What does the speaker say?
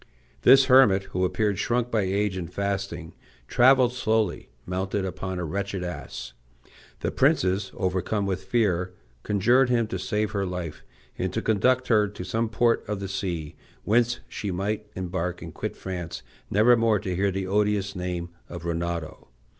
This hermit, who appeared shrunk by age and fasting, travelled slowly, mounted upon a wretched ass. The princess, overcome with fear, conjured him to save her life; and to conduct her to some port of the sea, whence she might embark and quit France, never more to hear the odious name of Rinaldo.